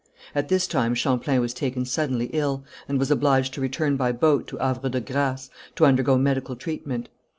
At this time Champlain was taken suddenly ill, and was obliged to return by boat to Havre de Grâce to undergo medical treatment.